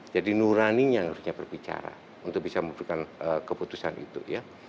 jadi nuraninya yang harusnya berbicara untuk bisa memberikan keputusan itu ya